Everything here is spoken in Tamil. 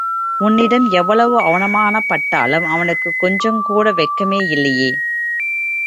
உன்னிடம் எவ்வளவு அவமானப்பட்டாலும் அவனுக்குக் கொஞ்சங் கூட வெட்கமே இல்லையே!......